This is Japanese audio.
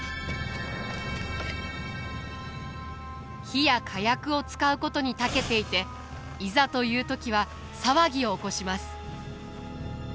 火や火薬を使うことにたけていていざという時は騒ぎを起こします。